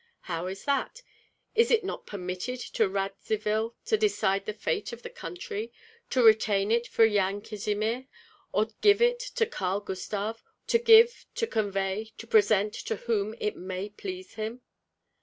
How is that? Is it not permitted to Radzivill to decide the fate of the country, to retain it for Yan Kazimir or give it to Karl Gustav, to give, to convey, to present, to whom it may please him?